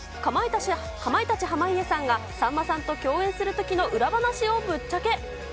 かまいたち・濱家さんが、さんまさんと共演するときの裏話をぶっちゃけ。